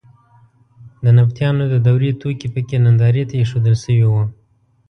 د نبطیانو د دورې توکي په کې نندارې ته اېښودل شوي وو.